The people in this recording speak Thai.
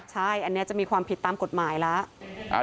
ใช่อันนี้จะมีความผิดตามกฎหมายแล้ว